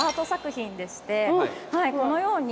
このように。